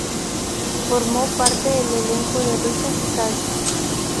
Formó parte del elenco de "Risas y salsa.